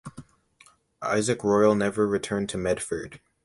Isaac Royall never returned to Medford.